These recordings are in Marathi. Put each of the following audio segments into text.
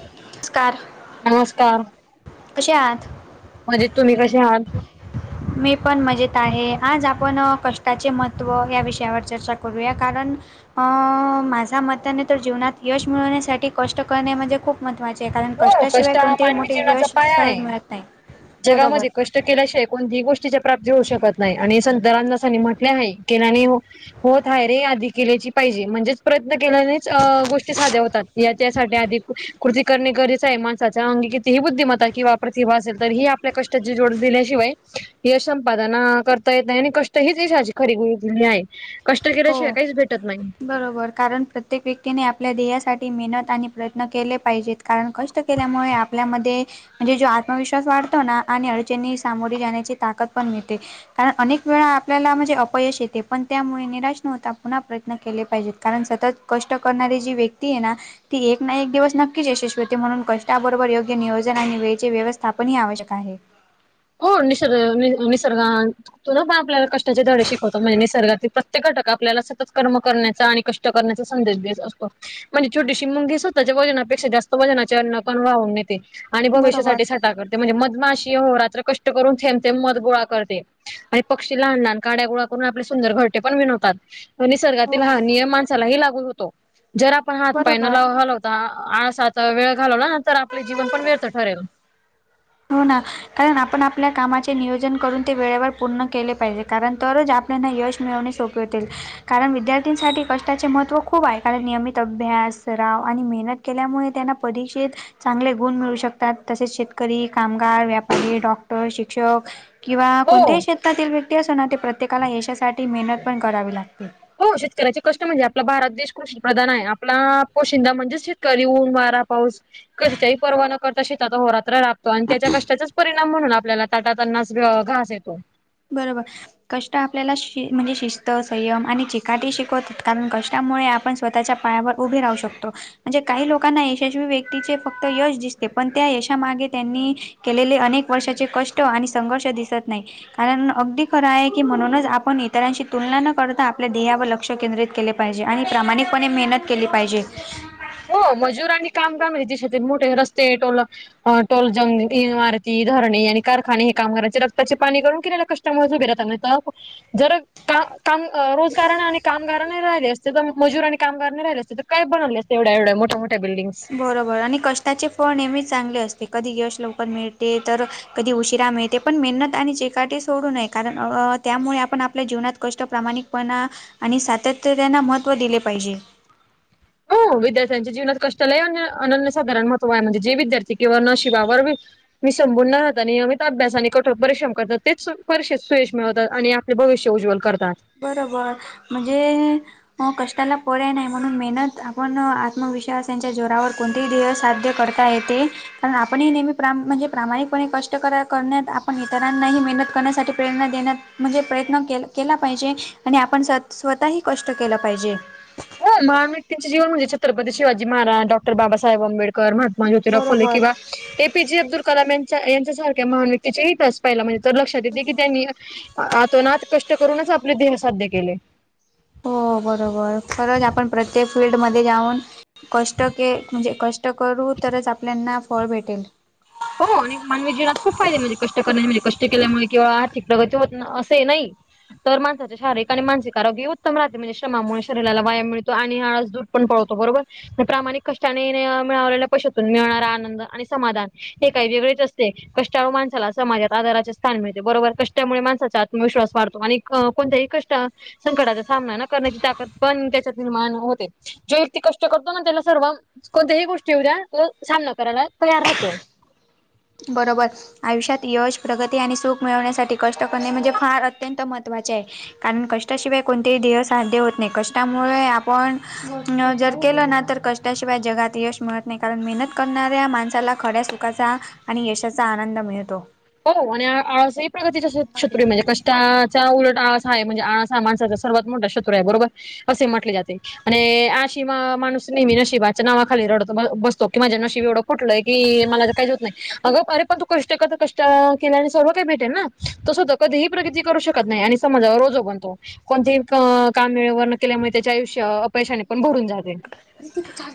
नमस्कार! नमस्कार! कसे आहात? मजेत, तुम्ही कसे आहात? [inaudible] मी पण मजेत आहे. आज आपण कष्टाचे महत्त्व या विषयावर चर्चा करूया कारण अ माझ्या मताने तर जीवनात यश मिळवण्यासाठी कष्ट करणे म्हणजे खूप महत्त्वाचे आहे, कारण हो कष्टाशिवाय कष्ट हा कोणतेही मानवी मोठे जीवनाचा यश पाया सहज आहे मिळत नाही, बरोबर. जगामध्ये कष्ट केल्याशिवाय कोणतीही गोष्टीची प्राप्ती होऊ शकत नाही आणि संत रामदासांनी म्हटले आहे होत हाय रे आधी केलेची पाहिजे म्हणजेच प्रयत्न केल्यानेच अ गोष्टी साध्य होतात याच्यासाठी आधी कृती करनी करीत माणसाच्या अंगी कितीही बुद्धिमत्ता किंवा प्रतिभा असेल तर ही आपल्या कष्टाची जोड दिल्याशिवाय यश संपादना करता येत नाही आणि कष्ट हीच यशाची खरी गुरु किल्ली आहे कष्ट केल्याशिवाय हो काहीच भेटत नाही बरोबर कारण प्रत्ये क व्यक्तीने आपल्या ध्येसाठी मेहनत आणि प्रयत्न केले पाहिजेत कारण कष्ट केल्यामुळे आपल्यामध्ये म्हणजे जो आत्मविश्वास वाढतो ना आणि अडचणी सामोरे जाण्याची ताकद पण मिळते कारण अनेक वेळा आपल्याला म्हणजे अपयश येते पण त्यामुळे निराश निराश न होता पुन्हा प्रयत्न केले पाहिजेत कारण सतत कष्ट करणारे जी व्यक्ती आहे ना ती एक ना एक दिवस नक्कीच यशस्वी होते म्हणून कष्टाबरोबर योग्य नियोजन आणि वेळचे व्यवस्थापन ही आवश्यक आहे हो निसर्ग निसर्ग तुून पण आपल्याला कष्टाचे धडे शिकवतो म्हणजे निसर्गातील प्रत्येक घटक आपल्याला सतत कर्म करण्याचा आणि कष्ट करण्याचा संदेश देत असतो म्हणजे छोटीशी मुंगी सुद्धा त्याच्या वजनापेक्षा जास्त वजनाचे अन्न वाहून न्हेते आणि बरोबर भविष्यासाठी साठा करते म्हणजे मधमाशी अहोरात्र कष्ट करून थेंब थेंब मध गोळा करते आणि पक्षी लहान लहान काड्या गोळा करून आपले सुंदर घरटे पण विनवतात निसर्गातील हा नियम माणसालाही लागू होतो जर आपण हात पाय न बरोबर हलवता आळसात वेळ घालवला तर आपले जीवन पण व्यर्थ ठरेल हो ना कारण आपण आपल्या कामाचे नियोजन करून ते वेळेवर पूर्ण केले पाहिजे कारण तरच आप आपल्याला यश मिळवणे सोपे होतील कारण विद्यार्थीसाठी कष्टाचे महत्त्व खूप आहे कारण नियमित अभ्यास सराव आणि मेहनत केल्यामुळे त्यांना परीक्षेत चांगले गुण मिळू शकतात तसेच शेतकरी कामगार व्यापारी डॉक्टर शिक्षक किंवा हो. कोणत्याही क्षेत्रातील व्यक्ती असना ते प्रत्येक प्रत्येकाला यशासाठी मेहनत पण करावी लागते हो शेतकऱ्याचे कष्ट म्हणजे आपला भारत देश कृषी प्रधान आहे आपला पोशिंदा म्हणजेच शेतकरी ऊन वारा पाऊस कशाची ही पर्वा न करता शेतात अहो रात्र राब तो आणि त्याच्या कष्टाचाच परिणाम म्हणून आपल्याला ताटात अन्नाचा घास येतो बरोबर कष्ट आपल्याला शि म्हणजे शिस्त संयम आणि चिकाटी शिकवतात कारण कष्टामुळे आपण स्वतःच्या पायावर उभे राहू शकतो म्हणजे काही लोकांना यशस्वी व्यक्तीचे फक्त यश दिसते पण त्या यशामागे त्यांनी केलेले अनेक वर्षाचे कष्ट आणि संघर्ष दिसत नाही कारण अगदी खरं आहे की म्हणूनच आपण इतरांशी तुलना न करता आपल्या ध्येयावर लक्ष केंद्रित केले पाहिजे आणि प्रामाणिकपणे मेहनत केली पाहिजे हो मजूर आणि काम [unintelligible] मोठे रस्ते टोल टोलजंग इमारती धरणे आणि कारखाने हे कामगारांचे रक्ताचे पाणी करून केलेल कष्ट यांच्यामुळेच उभे राहता नाहीतर [unintelligible] रोजगार आणि कामगार नाही राहिले असते तर मजूर आणि कामगार नाही राहिले असते तर काय बनवले असते एवढ्या एवढ्या मोठ्या मोठ्या बिल्डिंग्स बरोबर आणि कष्टाचे फळ नेहमीच चांगले असते कधी यश लवकर मिळते तर कधी उशिरा मिळते पण मेहनत आणि चिकाटी सोडू नये कारण अ त्यामुळे आपण आपल्या जीवनात कष्ट प्रामाणिक पन आणि सातत्य त्यांना महत्त्व दिले पाहिजे विद्यार्थ्यांच्या जीवनात कष्टाला अन्य अनन्य साधारण महत्व आहे म्हणजे जे विद्यार्थी केवळ नशिबावर वीसंबून न राहत नियमित अभ्यास आणि कठोर परिश्रम करतात तेच परीक्षेत सुयश मिळवतात आणि आप ते भविष्य उज्ज्वंल करतांत बरोबर म्हणजे अं कष्टांला पर्याय नाहीं म्हणूंन मेहनत आपणं आत्मविश्वास यांच्या जोरांवर कोणंतेही ध्येय सांध्य करतं तां येते कारण आपणही नेहमी म्हणजे प्रामाणिकपणे कष्टं करण्यांत आपणं इतरांनाही मेहनतं करण्यांसाठी प्रेरणा देण्यांत म्हणजे प्रयत्नं केलं केलां पाहिजे आणि आपणं स्वंतःही कष्टं केलं पाहिजे हो महांनव्यक्तीचे जीवन म्हणजे छत्रपती शिवाजी महारांज डॉक्टर बाबांसाहेब आंबेड करं महात्मा ज्योतिरांव फुलें बरोबर किंवा ये पी जे अब्दुल कलाम यांचा यांच्यासांरख्या महांन व्यक्तीच्या इतिहास पाहिला म्हणजे तरं लक्षांत येते की त्यांनी आतोनात कष्टं करूंनचं आपले ध्येंय सांध्य केले हो बरोबर खरंच आपणं प्रत्येक फिल्डमध्यें जाऊंन कष्टं के म्हणजे कष्टं कष्टं करूं तरचं आपल्यांना फळं भेटेल हो आणि मानवी जीवनांत खूंप फायदे म्हणजे कष्टं करण्यांचे म्हणजे कष्टं केल्यांमुळे केवळ आर्थिक प्रगती होतं असे नाहीं तर माणसाचे शारीरिक आणि मानसिक आरोग्यंही उत्तम राहते म्हणजे श्रमांमुळे शरीराला व्यांयाम मिळतो आणि पणं पळतो बरोबर प्रामाणिक कष्टांचने मिळवलेल्या पैशांतून मिळणांरा आनंद आणि समाधान हे कांहीं वेगळेचं असते कष्टांळू माणसांला समाजांत आदारांचे स्थांन मिळते बरोबर कष्टांमुळे माणसांचा आत्मविश्वास वाढतो आणि अं कोणत्यांही कष्टं संकटांचा सामना न करण्यांची ताकद पणं त्यांच्यांत निर्माण होते जो व्यक्ती कष्टं करतो नां त्यांला सर्व कोणत्यांही गोष्टी येऊंद्या तो सामना करांयला तयार राहतो बरोबर आयुष्यांत यश प्रगती आणि सुख मिळवण्यांसाठी कष्टं करणे म्हणजे फांर अत्यंत महत्त्वाचे आहे कारणं कष्टांशिवाय कोणतेही ध्येंय सांध्य होतं नाहीं कष्टांमुळे आपणं जरं केलं नां तरं कष्टं शिवाय जगातं यंश मिळतं नाहीं कारणं मेहनत करणाऱ्यां माणसांला खंड्या सुखांचा आणि यशाचां आनंद मिळतो हो आणि आं प्रगती जे माहिती शत्रंय ना म्हणजे कशी चां उलटं आळांस हे आहे म्हणजे आळांस हां माणसांचा सर्वात मोठा शत्रूं आहे बरोबर असे म्हटले जाते आणि आशिमा माणूंस नेहमी नशीबाच्या नांवा खाली रडतो बसतो की माझ्या नशीब एवढं कुटलंय की मलां तरं कांहींच होतं नाहीं अंग अरे पणं तूं कष्टं करं तं केल्यांने सर्व कायं भेटेल नां तसं तं कधींही प्रगती करूं शकतं नाहीं आणि समांजावर ओझ बनतो कोणत्यांही की कामं वेळेवरं नं केल्यांमुळे त्यांचे आयुष्य अपयशांने पणं भरूंन जाते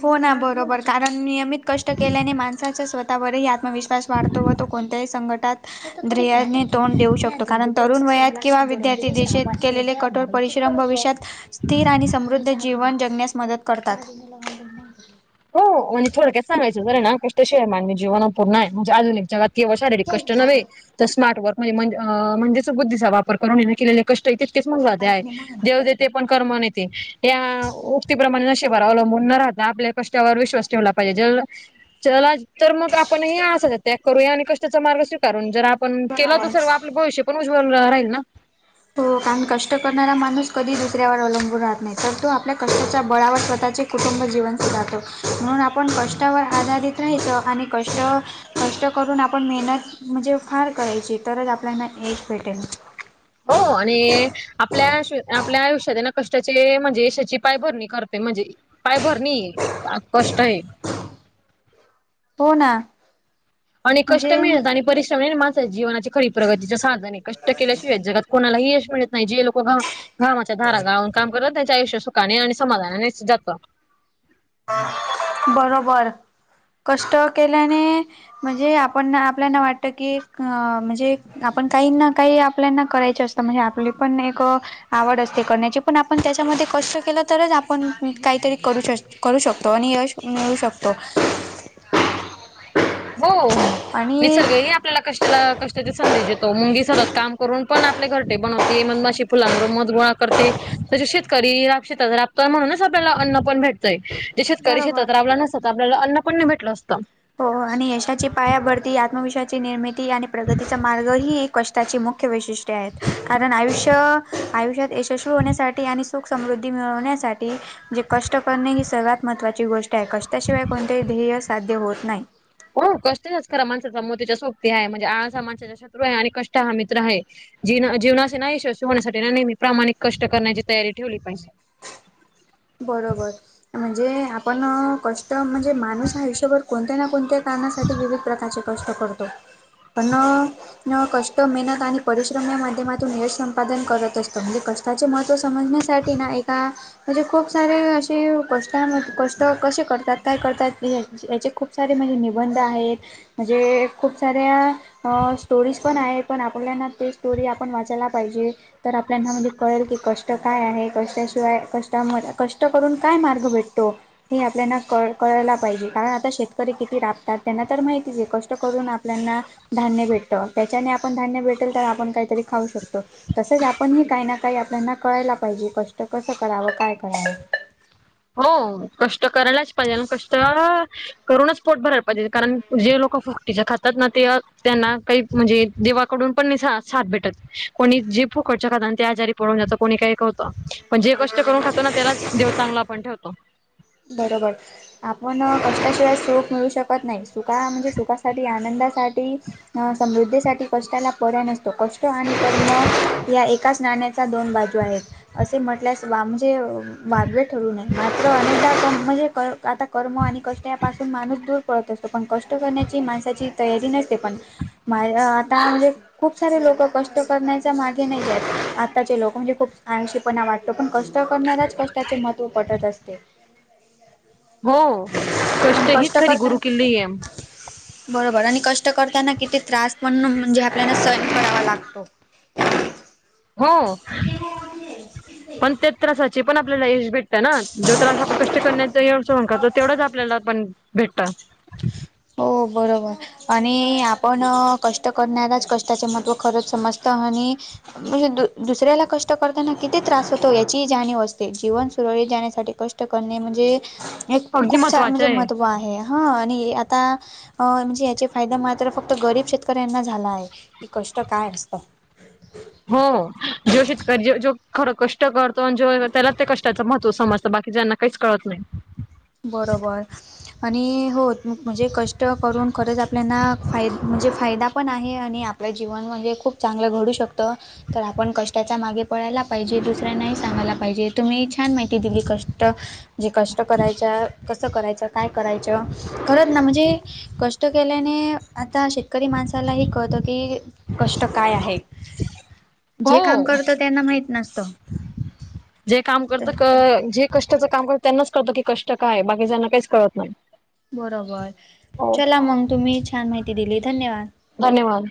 हो नां बरोबर कारणं नियमितं कष्टं केल्याने माणसांच्या स्वंतः आत्मविश्वास वाढतो व तो कोणत्यांही संकटांत ध्येयने तोंड देऊ शकतो कारणं तरुंण वयांत किंवा विद्यार्थी दिशेत केलेले कठोर परिश्रम भविष्यात ते स्थिर आणि समृद्धी जीवन जगण्यांस मदतं करतांत [unintelligible] हो म्हणजे थोडंया सांगायचं जरं नां कष्टं शी आहे मांन जीवन पूर्ण म्हणजे आधुनीक जगांत केवळ शारीरिक कष्टं नव्हे तरं स्मार्ट वर्क म्हंण म्हणजेच बुद्धीचा वापरं करूंन हिने के कष्टं तितकेच मणाे आहेतं ते पणं करमांन येते यां उक्तीप्रमाणे नशेबा अवलंबून नं राहतां आपल्या कष्टांवरं विश्वास ठेवला पाहिजे चलां तरं मगं आपणं हे असत्यंच त्यांग करूंया आणि की त्यांचा मार्ग स्वीकारूंन जरं आपणं केलां तरं सर्व धन्यवाद. आपलं भविष्य पणं उज्वल राहील नां तो कारणं कष्टं करणांरा माणूंस कधीं दुसऱ्यांवर अवलंबून राहतं नाहीं तरं तो आपल्या कष्टांच्या बळांवर स्वंतःचे कुटुंब जीवनस जातो म्हणूंन आपणं कष्टांवरं आधारित राहायचो आणि कष्टं कष्टं करूंन आपणं मेहनतं म्हणजे फांर करांयची तरचं आपल्यांना एकचं भेटेल हो आणि आपल्या आपल्या आयुष्यातेय ना कष्टाचे म्हणजे यशाची पायभरणी करते म्हणजे पायभरणी, कष्टये हो ना आणि कष्ट म्हणजे मेहनत आणि परिश्रम माणसच्या जीवनाची खरी प्रगतीच्या साधन हे कष्ट केल्याशिवाय जगात कोणालाही यश मिळत नाही जे लोका घामाच्याधारा गाव काम करा त्याच्या आयुष्य सुखाने आणि समाधानानेच जात बरोबर, कष्ट केल्याने म्हणजे आपण आपल्याना वाटत की अ म्हणजे आपण काही ना काही आपल्याना करायच असत म्हणजे आपली पण एक आवड असते करण्याची पण आपण त्याच्यामध्ये कष्ट केल तरच आपण काहीतरी करू शच करू शकतो आणि यश मिळू शकतो हो, आणि निसर्ग हे आप आपल्या कष्टाला कष्टाची सधेश देतो मुंगी सतत काम करून पण आपले घरटे बनवते मध मशी फुलांबरोब मध गोळा करते त शेतकरी श राबत म्हणूनच आपल्याला अन्न पण भेटतय जे शेतकरी शेतात बरोबर राबला नसता त आपल्याला अन्न पण नाही भेटल असत हो आणि यशाची पायाभरती आत्मविश्वाची निर्मिती आणि प्रगतीचा मार्ग ही एक कष्टाची मुक् वैशिष्ट्ये आएत कारण आयुष्य, आयुष्यात यशस्वी होण्यासाठी आणि सुख समृद्धी मिळवण्यासाठी म्हजे कष्ट करणे ही सर्व्यात महत्त्वाची गोष्ट आहे कष्टाशिवाय कोणतेही ध्येय साध्य होत नाही हो कष्टाचाच खरा माणसाचा मोतीच्या सोक्ती हाये म्हणजे आळज हा माणसाच्या शत्रू हाये आणि कष्ट हा मित्र हाये जी जीवणाचे ना यश् होण्यासाठी ना नेहमी प्रामाणिक कष्ट करण्याची तयारी ठेवली पाहिजे बरोबर म्हणजे आपण कष्ट म्हणजे माणूस आयुष्यभर कोणत्या ना कोणत्या कारणासाठी विविध प्रकारचे कष्ट करतो पण अ कष्ट मेहनत आणि परिश्रम या माध्यमातून हेर संपादन करत असत म्हणजे क त्याचे महत्त्व समजण्यासाठी ना एका म्हणजे खूप सारे अशी कष्टा कष्ट कसे करतात काय करतात याचे खूप खूप सारे माझे निबंध आहेत म्हणजे खूप साऱ्या अ स्टोरीज पण आहे पण आपल्याना ते स्टोरी आपण वाचायला पाहिजे. तर आपल्याना म्हणजे कळेल की कष्ट काय आहे कष्टाशिवाय कष्ट त्या मध्ये कष्ट करून काय मार्ग भेटतो. हे आपल्याना क कळायला पाहिजे कारण आता शेतकरी किती राबतात त्यांना तर माहितीच आहे कष्ट करून आपल्याना धान्य भेटत त्याच्याने आपण धान्य भेटेल तर आपण काहीतरी खाऊ शकतो तसच आपण ह काही ना काही आपल्याना कळायला पाहिजे कष्ट कस कराव काय कराव हो कष्ट करायलाच पाहिजे आणि कष्ट करूनच पोट भरायला पाहिजे. कारण जे लोक फुगटीचे खातात ना ते त्यांना काही म्हणजे देवाकडून पण नयी नयी साथ भेटत. कोणी जे पूकटचे खातात ते त्या आजारी पडू नय जात कोणी काही करत पण जे कष्ट करून खातो ना त्यालाच देव चांगला आपण ठेवतो. बरोबर. आपण कष्टशिवाय सुख मिळू शकत नायी सुखा म्हणजे सुखासाठी आनंदासाठी समृद्धीसाठी कष्टाला पर्याय नसतो कष्ट आणि कर्म या एकाच नाण्याच्या दोन बाजू आहेत असे म्हटल्यास म्हणजे वागवे ठरू नये मात्र म्हणजे आता? कर्म आणि कष्ट यापासून माणूस दूर पळत असतो पण कष्ट करण्याची माणसाची तयारी नसते पण माझ आता म्हणजे खूप सारे लोक कष्ट करण्याच्या मागे नाही जात आत्ताचे लोक म्हणजे खूप आळशी पण वाटतो पण कष्ट करणाराच कष्टाचे महत्त्व पटत असते. हो कष्ट हीच खरी गुरु किल्ली य. बरोबर आणि कष्ट करताना किती त्रास पण म्हणजे आपल्याला सहन करावा लागतो. [inaudible] हो. [inaudible] त्रासापणाच आपल्याला यश भेटत ना, जो त्रास आपण कष्ट करण्याचं येवढ सहन करतो तेवढंच आपल्याला आपण भेटता. हो बरोबर. आणि आपण कष्ट करणाराच कष्टाचे महत्त्व खरंच समजत आणि म्हणजे दु दुसऱ्याला कष्ट करताना किती त्रास होतो याची ही जाणीव असते जीवन सुरळीत जाण्यासाठी कष्ट कष्ट करणे म्हणजे अगदी खूप छा महत्त्वाचं म्हणजे महत्व आहे ह आणि आता म्हणजे याचे फायदा मात्र फक्त गरीब शेतकऱ्यांना झाला आहे. कि कष्ट काय असत? हो, जो शेतकरी जो खर कष्ट करतो आणि जो त्याला त्या कष्टांच महत्त्व समजतं बाकी ज्यांना काहीच कळत नाही. बरोबर. आणि हो म्हणजे कष्ट करून खरंच आपल्यांना फाय म्हणजे फायदा पण आहे आणि आप आपलं जीवन म्हणजे खूप चांगलं घडू शकतं. तर आपण कष्टाच्या मागे पळायला पाहिजे, दुसऱ्यांना ही सांगायला पाहिजे, तुम्ही छान माहिती दिली कष्ट जे कष्ट करायच्या, कसं करायचं? काय करायचं? खरंच ना म्हणजे कष्ट केल्याने आता शेतकरी माणसालाही कळत की कष्ट काय आहे? जे काम हो करत त्यांना माहित नसतं. जे काम करत जे कष्टाचं काम करत त्यांनाच कळतं की कष्ट काय? बाकीच्यांना काहीच कळत नाही. बरोबर हो चला मग, तुम्ही ही छान माहिती दिली. धन्यवाद! धन्यवाद.